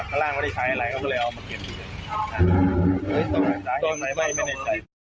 บ้านล้างเขาได้ใช้อะไรเขาก็เลยเอามาเก็บทุกอย่าง